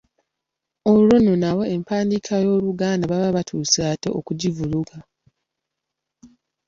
Olwo nno nabo empandiika y’Oluganda baba batuuse ate okugivuluga.